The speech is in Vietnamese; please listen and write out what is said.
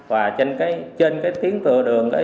và trên tiến tựa đường